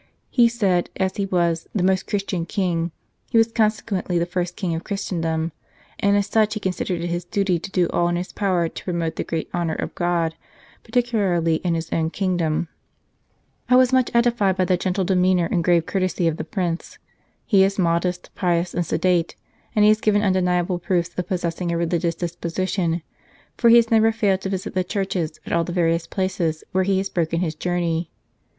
He said, as he was * the Most Christian King, he was consequently the first King of Christendom, and as such he considered it his duty to do all in his power to promote the greater honour of God, particularly in his own kingdom. " I was much edified by the gentle demeanour and grave courtesy of the Prince. He is modest, pious, and sedate, and he has given undeniable proofs of possessing a religious disposition ; for he has never failed to visit the churches at all the various places where he has broken his journey.